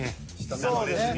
そうですね